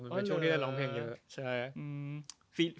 มันเป็นช่วงที่ได้ร้องเพลงเหมือนเยอะ